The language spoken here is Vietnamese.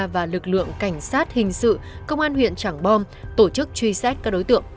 và lực lượng cảnh sát hình sự công an huyện trảng bom tổ chức truy xét các đối tượng